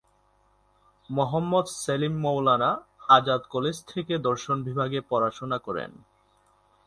Mohammad Salim Maulana Azad college থেকে দর্শন বিভাগে পড়াশোনা করেন।